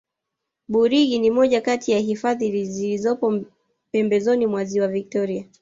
burigi ni moja Kati ya hifadhi zilizopo pembezoni mwa ziwa victoria